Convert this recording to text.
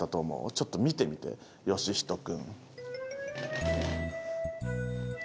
ちょっと見てみてよしひと君。